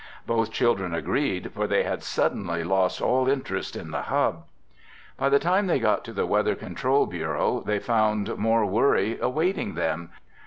Both children agreed, for they had suddenly lost all interest in the hub. By the time they got to the Weather Control Bureau they found more worry awaiting them.